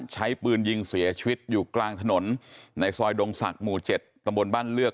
ใช้ปืนยิงเสียชีวิตอยู่กลางถนนในซอยดงศักดิ์หมู่๗ตำบลบ้านเลือก